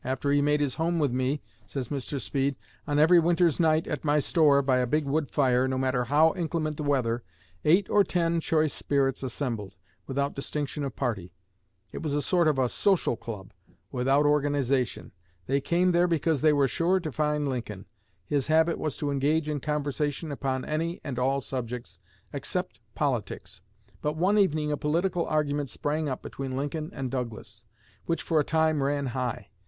"After he made his home with me," says Mr. Speed, "on every winter's night at my store, by a big wood fire, no matter how inclement the weather, eight or ten choice spirits assembled, without distinction of party. It was a sort of social club without organization. They came there because they were sure to find Lincoln. His habit was to engage in conversation upon any and all subjects except politics. But one evening a political argument sprang up between Lincoln and Douglas, which for a time ran high.